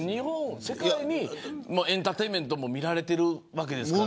世界にエンターテインメントも見られてるわけですから。